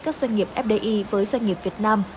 các doanh nghiệp fdi với doanh nghiệp việt nam